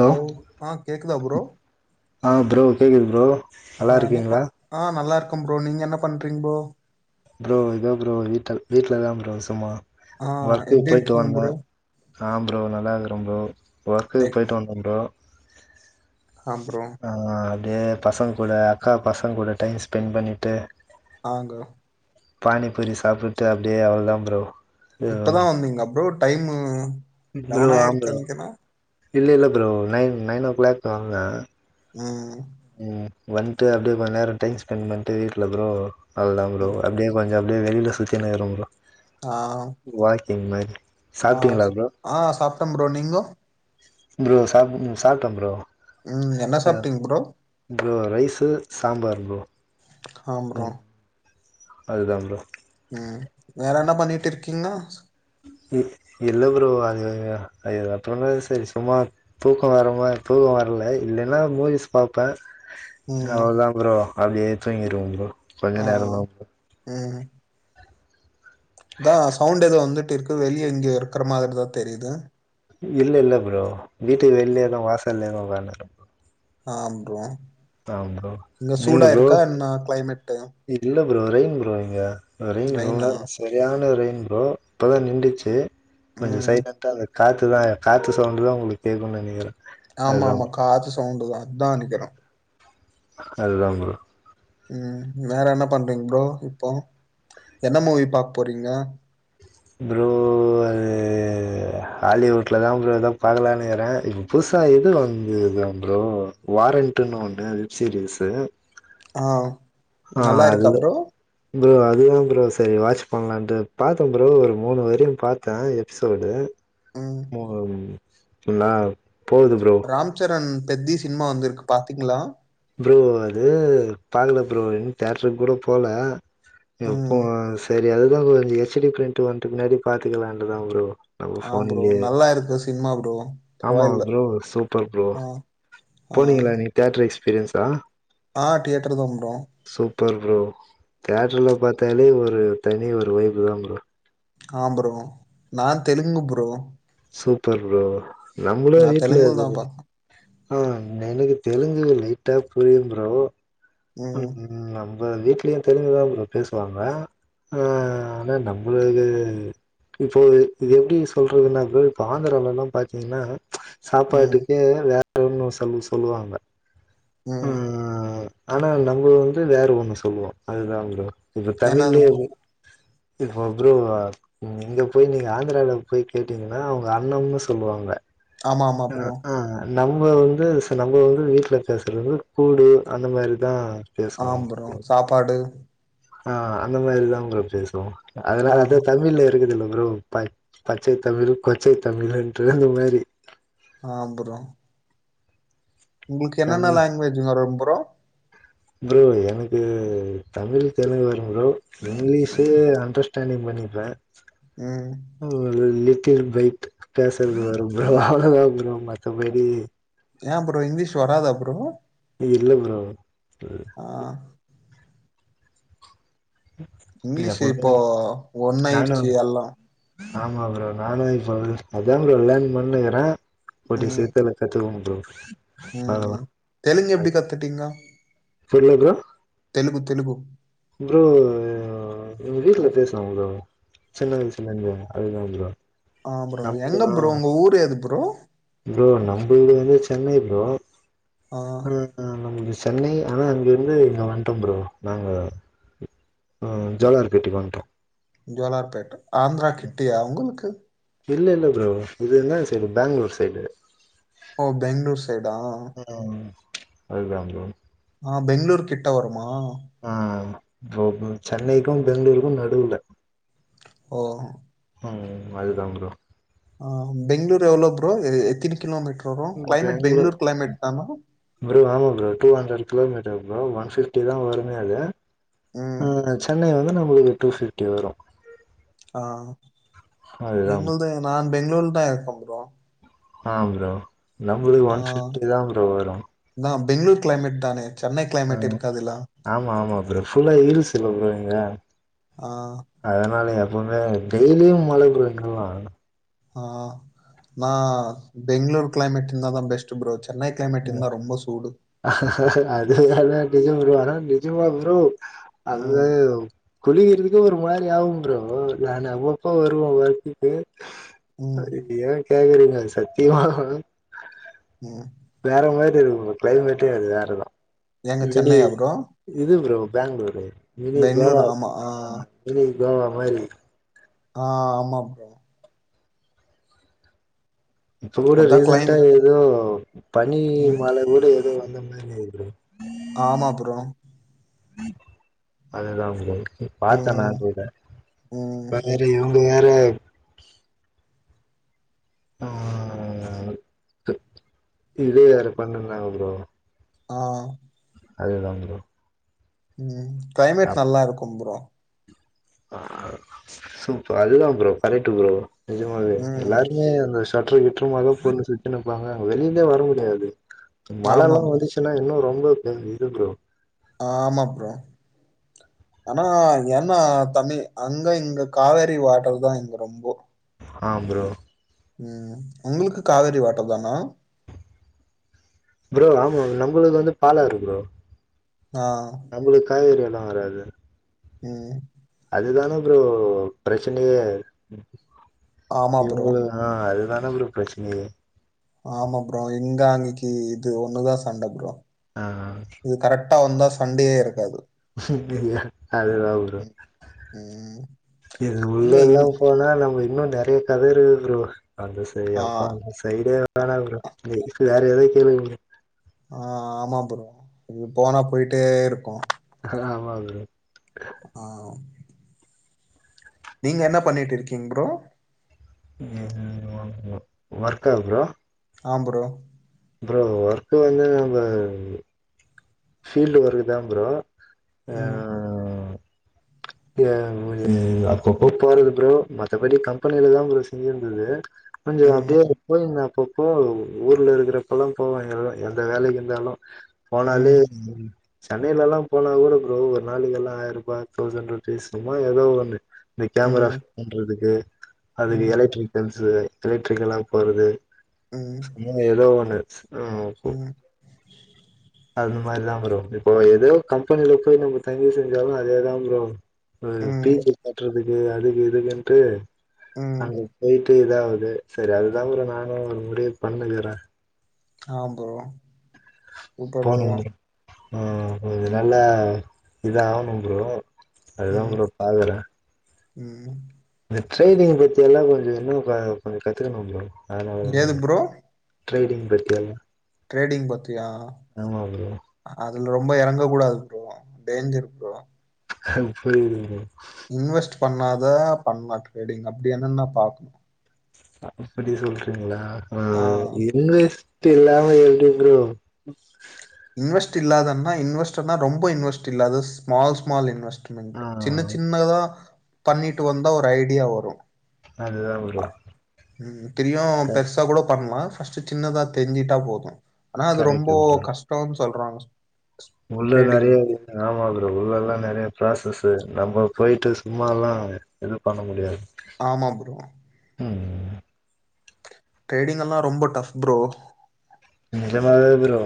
Hello ஆ கேக்குதா bro ஆ ப்ரோ கேக்குது ப்ரோ நல்லா ஆ எனெப்பா இருக்கீங்களா ஆ நல்லா இருக்கு ப்றோ நீங்க என்ன பண்றீங் ப்ரோ ப்ரோ எதோ ப்ரோ வீட்ட வீட்டுல தா ப்ரோ சும்மா ஆ ஒர்க் எப்டி போயிட்டு இருக்கீங்க வந்தே ப்ரோ ஆ ப்ரோ நல்லா இருக்குறே ப்ரோ ஒர்க்குக்கு லைக் போயிட்டு வந்துட்டே ப்ரோ ஆ ப்ரோ தெ பசங்க கூட அக்கா பசங்க கூட டைம் ஸ்பெண் பண்ணிட்டு ஆங்க பானிப்பூரி சாப்பிட்டு அப்படியே அவ்ளோதான் ப்ரோ இப்பதான் வந்தீங்கலா ப்ரோட் டைமு ப்ரோ லெவன் ஆயிருக்கு ஆம்ரோ நெனைக்கிறே இல்ல இல்ல bro nine nine o'clock தா வந்த உம் உம் வந்துட்டு அப்டியே கொஞ்ச நேரம் டைம் ஸ்பெண் பண்ட்டு வீட்டுல ப்ரோ அவ்ளோதா ப்ரோ ம் அப்டியே கொஞ்சம் ப்டியே வெளில சுத்தி கின்னுருக்க ரோ ஆஹ் ம்மதி ஆஹ் ஆஹ் சாப்ட்டம் ப்ரோ நீங்கோ ப்ரோ சாம் சாப்டன் ப்ரோ ம் என்ன சாப்டீங் bro bro rice sambar bro ஆம் ப்ரோ அதுதான் ப்ரோ ம் வேற என்ன பண்ணிட்டு இருக்கீங்னா இல்ல ப்ரோ அது அது அப்புறோமே சரி சும்மா தூக்கம் வரமா தூக்கம் வரல இல்லைன்னா மூவிஸ் பாப்பேன் ம் அவ்ளோதா ப்ரோ அப்டியே தூங்கிருவன் ப்ரோ கொஞ்ச ஆஹ் நேரந்தா ப்ரோ உம் தான் சவுண்ட் எதோ வந்துட்டு இருக்கு வெளிய எங்கே இருக்குற மாத்ரிதான் தெரியுது இல்ல இல்ல ப்ரோ வீட்டுக்கு வெள்லே தா வாசல்லே தா வன்ட்ட ஆம் ப்ரோ இங்க நீங்க சூடா ப்ரோ இருக்கா என்ன க்ளைமட்டு இல்ல ப்ரோ ரைன் ப்ரோ இங்க ரைன் வ்ளோரம் சரியான ரைன் ப்ரோ இப்போதா நிண்டுச்சு கொஞ்சொ ம் சைலன்டா காற்று தான் காற்று சவுண்டு தான் உங்ளுக்கு கேக்கு நெனக்கிறேன் ஆமா ஆமா காது சவ்ன்டு தா அத்தா [unintelligible] அது தா ப்ரோ ம் வேற என்ன பண்றீங் ப்ரோ இப்போ என்ன மூவி பாக் போறீங்க ப்ரோ அது ஹாலிவுட்ல தா ப்ரோ எதா பாக்லானுக்றே இப்ப புதுசா எது வந்துது ப்ரோ வாரண்டுனு ஒண்ணு வெப்சீரீசு அ நல்லா இருக்கா ப்ரோ ப்ரோ அதுதா ப்ரோ செரி வாச் பண்லான்ட்டு பாத்த ப்ரோ ஒரு மூணு வரையு பாத்தே எபிசோடு ம் [unintelligible] ப்ரோ. ராம்ச்சரண் பெத்தி சின்மா வந்துருக்கு பாத்திங்ளா ப்ரோ அது பாக்கல ப்ரோ இன்னு தேட்ரு கூட போல எப்போ ம் செரி அதுதா கொஞ்ச ஹெச் டி ப்ரிண்ட்டு வன்ட பின்னாடி பாத்துக்கலான்டுதா ப்ரோ [unintelligible] ஆ ப்ரோ ஃபோன்லியே நல்லா இருக்கு சினிமா ப்ரோ ஆமா பரவாயில்ல ப்ரோ சூப்பர் ப்ரோ ஆ போனீங்களா [unintelligible] எக்ஸ்பீரியன்ஸா அ தியேட்டர் [unintelligible] சூப்பர் ப்ரோ தேட்டர்ல பாத்தாலே ஒரு தனி ஒரு வைஃபு தா ப்ரோ ஆம் ப்ரோ நா தெலுங்கு ப்ரோ சூப்பர் ப்ரோ நம்மளு நா வீட்டுல தெலுங்குல தா இது பாப்பே ஆ எனக்கு தெலுங்கு லைட்டா புரியும் ப்ரோ ம் உம் ஆமா இப்போ வீட்லயையு தெலுங்குதா ப்ரோ பேசுவாங்க ஆ ஆனா நம்ளுக்கு இப்போது இது எப்டி சொல்றதுனா ப்ரோ இப்போ ஆந்தரால்லலா பாத்திங்கன்னா ம் சாப்பாட்டுக்கு வேற பேருனு சொல்லி சொல்லுவாங்க ம் ஆனா நம்ம வந்து வேற ஒன்னு சொல்லுவோ அதுதா ப்ரோ இப்போ என்னது தமிழ்லயே இப்ப ப்ரோ ம் இங்க போய் நீங்க ஆந்தரால போய் கேட்டீங்கன்னா அவங்க அண்ணம்னு சொல்லுவாங்க ஆமா ஆமா ஆ ப்ரோ ஆ நம்ம வந்து நம்ம வந்து வீட்ல பேசுறது கூடு அந்த மாரி தா ஆம் ப்ரோ சாப்பாடு ஆ அந்த மாரி தா ப்ரோ பேசுவோம் ஆ அதனால அது தமிழ்ல இருக்குது இல்ல அப்புறம் ப பச்சை தமிழ் கொச்சை தமிழ்ன்ற அந்த மாரி ஆம் ப்ரோ உங்களுக்கு என்னென்ன தமிழ் லாங்குவேஜ்ங்க ரொம்ப [unintelligible] ப்ரோ எனக்கு தமிழ் தெலுங்கு வரும் ப்ரோ இங்கிலீஷு அண்டர்ஸ்டாண்டிங் பண்ணிப்பேன் ம் [unintelligible] [unintelligible] பைட் பேசறது வரும் ப்ரோ அவ்ளோதான் ப்ரோ மத்தபடி ஏன் ப்ரோ இங்க்லீஷ் வராதா ப்ரோ இல்ல ப்ரோ ஆஹ ஆ இங்கிலீஷ் எப்பவுமே இப்போ நானு ஒண்ணாயிடுச்சு எல்லாம் ஆமா ப்ரோ நானும் இப்ப அதா அதான் லேண்ட் பண்ணுக்கிறேன் கூடிய சீத்துல கத்துவோம் ப்ரோ உம் அவ்ளோதா உம் தெலுங்கு எப்டி கத்துட்டீங்க சொல்லுங்கோ தெலுகு தெலுகு ப்ரோ எங்க வீட்ல பேசுவாங்க ப்ரோ சின்ன வயசுலருந்து அதுதா ஃப்ரோ ஆ ப்ரோ எங்க ப்ரோ உங்க ஊர் எது ப்ரோ ப்ரோ நம்ம வீடு வந்து சென்னை ப்ரோ ஆஹ் ஆ நம்பள்து சென்னை ஆனா அங்கிருந்து இங்க வன்ட்டோம் ப்ரோ நாங்க ஜோலார் பேட்டைக்கு வன்ட்டோம் ஜோலார் பேட்ட ஆந்திரா கிட்டயா உங்களுக்கு இல்ல இல்ல ப்ரோ இது இந்தான்ட சைடு பேங்ளூர் சைடு ஓ பெங்ளூர் சைடா அதுதாம் ப்ரோ ஆஹ் பெங்ளூரு கிட்ட வருமா ஆஹ் ப்ரோ சென்னைக்கும் பெங்ளூருக்கும் நடுல ஓ ம் அதுதா ப்ரோ ஆஹ் பெங்ளூர் எவ்ளோ ப்ரோ எத்தினி கிலோமீட்டர் பேங்ளூர் ப்ரோ ஆமா bro two hundred kilometre bro one ஃபிப்டிதா தா வருமே அது ம் உம் சென்னை வந்து நம் ஒரு டூ பிஃப்ட்டி வரு ஆஹ் அதுதா எங்களுது நான் பெங்ளூர்ல தா இருக்கோம் ப்ரோ ஆஹ் ப்ரோ நம்மளுக்கு ஒன் ஃபிப்டி தா ப்ரோ வரு நான் பெங்களூர் கிளைமேட் தானே சென்னை இருக்காதுல்ல ஆமா ஆமா ஃப்ரோ ஃபுல்லா ஹில்ஸ் ல ப்ரோ இங்க ஆ, அதனால எப்பமே டெய்லியும் மழை ப்ரோ இங்கல்லாம் ஆ நா பெங்களூர் கிளைமேட் இந்தாதா பெஸ்ட் ஃப்ரோத் அது எல்லாமே டே ஒரு வர ஜூ வா ஃப்ரோ ம் அதுவேவ் குழி இருக்குது ஒரு மாரி ஆகும் ஃப்ரோ நா அவ்வப்பா வருவோ வெரடிட்டு ம் இது ஏ கேக்றீங்க சத்தியமாக ம் வேற மாரி இருக்கு ப்ரோ கிளைமேட்டே அது வேறதான் எங்க கண்டி சென்னையா ப்ரோ இரு ப்ரோ பேங்ளூரு இரு பெங்களூர் கோவா ஆமா ஆ ஆஹ் இரு கோவா மாரி ஆ ஆமா ப்ரோ இப்ப கூட அதான் கிளைம் ரீசென்டா ஏதோ பனி ம் மலை கூட ஏதோ [unintelligible] ப்ரோ ஆமா ப்ரோ அது தான் ப்ரோ பாத்தே ம் நான் கூட ம் இப்ப வரையும் வேற ஆ இதே வேர பண்ணிருந்தாங்க ப்ரோ ஆஹ் அது தான் ப்ரோ ம்ஹ் கிளைமேட் நல்லா இருக்கும் ப்ரோ ஆ சூப்பர் அது தான் ப்ரோ கரக்ட் ப்ரோ நஜமாவே ம். எல்லாருமே அந்த [unintelligible] கற்ற இற்றுமாக பொண்ணு சுத்தின்னுருப்பாங்க வெளியவே வர முடியாது ஆமா மழலா ப்ரோ. வந்துச்சுன்னா இன்னு ரொம்ப இரு ப்ரோ ஆமா ப்ரோ ஆனா ஏன்னா தமி அங்க இங்க காவேரி வாட்டர் தா இங்க ரொம்போ ஆ ப்ரோ ம் ம் உங்களுக்கு காவேரி வாட்டர் தானா ப்ரோ ஆமா நம்முளுது வந்து பாலாரு ப்ரோ ஆ. நம்மளுக்கு காய்கறி எவ்ளோ [unintelligible] ம் இதான ப்ரோ பிரச்சனையே ஆமா ப்ரோ. இவுங்களு ஆ அதுதா அதா ப்ரோ பிரச்சனையே ஆமா ப்ரோ எங்க அங்கக்கி இது ஒன்னு தா சண்ட ப்ரோ ஆ இது கரெக்டா வந்தா சண்டையே இருக்காது ஆஹ் அதுதான்ப்ரோ ம். ம். இது எங்க இங் உள்ளல்லாம் போனா நம்ம இன்னு நெறய கத இருக்குது ப்ரோ அந்த சரி ஆ. அப்பா அந்த சைடே வேணா ப்ரோ எதுக்கு வேற ஏது கேளுங்க ப்ரோ ஆஹ் ஆமா ப்ரோ இது போனா போயிட்டேருக்கும் ஆமா ப்ரோ ஆஹ் நீங்க என்ன பண்ணிட்டு இருக்கீங் ப்ரோ ஒர்க்கா ப்ரோ ஆஹ் ப்ரோ ப்ரோ ஒர்க் வந்து நம்ம ஃபீல்ட் ஒர்க தா ப்ரோ ம். ஆஹ் [unintelligible] அப்பப்போ போறது ப்ரோ மத்தபடி கம்பெனிலதான் ப்ரோ செஞ்சினுருந்தது கொஞ்சோ அப்டியே போயிருந்தே அப்பப்போ ஊர்ல இருக்கிறப்பல்லாம் போவே எல்லாம் எந்த வேலைக்கு இருந்தாலு போனாலே சென்னைல எல்லாம் போனா கூட ப்ரோ ஒரு நாளைக்கெல்லாம் ஆயிரம் ருபா தௌசண்ட் ருபி பேசணுமா ஏதோ ஒண்ணு இந்த கேமரா பண்றதுக்கு அதுக்கு எலக்ட்ரிகல்ஸ் இது எலக்ட்ரிக்கலாம் போறது சும்மா ஏதோ ஒண்ணு உம் ஓகே அந்த மாறி தான் ப்ரோ இப்போ ஏதோ கம்பெனில போய் நம்ம தங்கி செஞ்சாலும் அதேதான் ப்ரோ ஆஹ் பேஜ காட்றது இ அதுக்கு இதக்குனுட்டு அங்க போயிட்டு இதா அது சரி அதுதான் ப்ரோ நானும் ஒரு முடிவு பண்ணிணுக்கறே ஆஹ் ப்ரோ இருக்கா ப்ரோ ஆஹ் இது நல்லா இதாகணும் ப்ரோ அதுதா ப்ரோ பாக்கற உம் ட்ரெய்னிங் பத்தி எல்லாம் கொஞ்சொ இன்னும் கொ கொஞ்சம் கத்துக்கணும் ப்ரோ எது ப்ரோ ட்ரைனிங் [unintelligible] டரேடிங் பத்துயா ப்ரோ அதுல ரொம்ப இறங்க கூடாது ப்ரோ டேஞ்சர் ப்ரோ [unintelligible] இன்வெஸ்ட் பண்ணாதா [unintelligible] ட்ரேடிங் அப்படி என்ன நான் பாக்கணும் அப்படி சொல்றீங்களா ஆ ஆஹ் இன்விஸ்ட் [unintelligible] எப்படி ப்ரோ இன்வெஸ்ட் இல்லாதன்னா இன்வெஸ்டர்னா ரொம்ப இன்வெ்ட்ல்லது ஸ்மால் ஸ்மால் இன்வெஸ்ட் ஆ சின்ன சின்னதா பண்ணிட்டு வந்தா ஒரு ஐடியா வரும் அதுதா ப்ரோ உம் தெரிய க பெருசா கூட பண்ணலாம் ஃபர்ஸ்ட் சின்னதா தெரிஞ்சுட்டா போதும் ஆனா அது ரொம்ப கரெக்ட்டு ப்ரோ கஷ்டம் சொல்றா உள்ள நிறைய யாமந்தற உள்ள எல்லாம் நிறைய ப்ராசஸ் நம்ம போயிட்டு சும்மாலாம் எதுவும் பண்ண முடியாது ஆமா ப்ரோ உம் ட்ரேடிங் எல்லாம் ரொம்ப டஃப் ப்ரோ நிஜமா ப்ரோ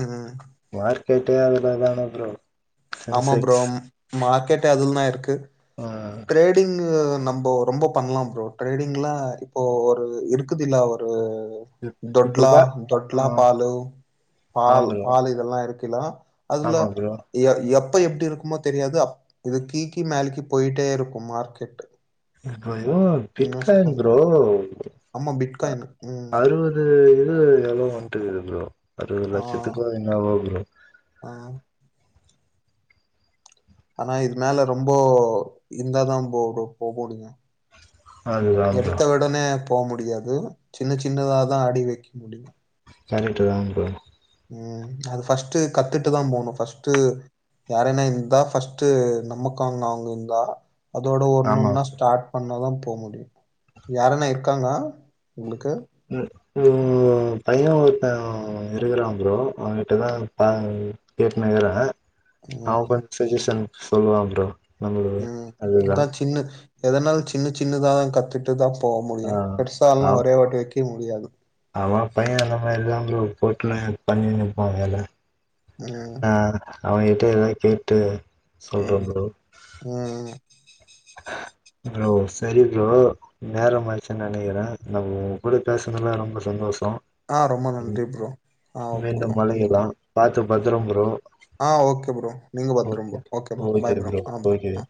உம் மார்கெட்டே ஆதுல தான ப்ரோ ஆமா ப்ரோ சென்செக்ஸ் ஆம் மார்க்கெட் அதுல தான் இருக்கு ஆ ட்ரேடிங் நம்ம ரொம்ப பண்ணலாம் ப்ரோ ட்ரேடிங்லாம் இப்போ ஒரு இருக்குதுல்ல ஒரு இப்- இப்போ தொட்லா பா ஆ தொட்லா பால் ஆ பால் ப்ரோ பால் இதெல்லாம் இருக்கு [unintelligible] அதுல ஆமா ப்ரோ எப்ப எப்படி இருக்கும் தெரியாது இது கீக்கி மேலக்கு போயிட்டு இருக்கும் மார்க்கெட் [inaudible] இன்வெஸ்ட் பண்ண ப்ரோ [unintelligible] ஆமா பிட் காாயின் உம் அறுவது இது எள்வோ வந்துட்டு இருக்கம் அறுபது ஆ லட்சத்துக்கு என்னவேவ் ஆ ஆனா இது மேல ரொம்ப இருந்தாதான் ப்ரோ போக முடியும் அதுதா ப்ரோ எடுத்த உடனே போ முடியாது சின்ன சின்னதாதான் அடி வைக்க முடியும் [unintelligible] உம் அது ஃபர்ஸ்ட் கத்துட்டு தான் போகணும் ஃபர்ஸ்டு யாரனா இருந்தா ஃபர்ஸ்டு நமக்காங்க அவங்க இருந்தா அதோட ஒண்ணு ஆமா ஒண்ணா ப்ரோ ஸ்டார்ட் பண்ணதான் போ முடியும் யாரன இருக்காங்க உங்களுக்கு பையனாவூரத்த இருக்கிறான் ப்ரோ அவகிட்ட தான் பேசினிக்கிறேன் ஆ சஜேஷன் சொல்லுவான் ப்ரோ நம்மளுக்கு உம் அதுதா அதான் சின்ன எதனால சின்ன சின்னதான் கத்துட்டுதான் போ ஆ முடியும் பெருசால்லாம் ஒரே வாட்டி வைக் இருக்க முடியாது ஆமா பையன் என்ன மாரி தான் ப்ரோ டோட்டலா பண்ணினுருப்பான் வேலை ம். ஆஹ் அவகிட்ட எதான் கேட்டு ம். சொல்றது ம். ப்ரோ சரி ப்ரோ நேர மாச்சு நினைக்கிறேன் நம்ம உங்க கூட பேசுநதுலாம் ரொம்ப சந்தோஷம் ஆ ரொம்ப நன்றி ப்ரோ. ஆ ஓகே [unintelligible] பத்ரம் ப்ரோ ஆஹ் ஓகே ப்ரோ நீங்க பத்துறம் bro okay bro bye bro bro ஆ ஓகே பரோ